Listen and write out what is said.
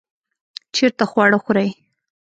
چیرته خواړه خورئ؟